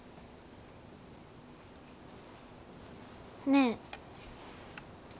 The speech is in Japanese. ねえ。